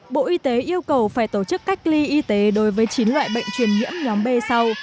bộ y tế yêu cầu phải tổ chức cách ly y tế đối với chín loại bệnh truyền nhiễm nhóm b sau